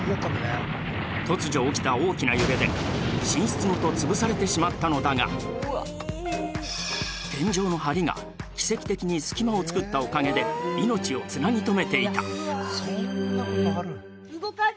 突如起きた大きな揺れで、寝室ごとつぶされてしまったのだが天井の梁が奇跡的に隙間を作ったおかげで命をつなぎ止めていた。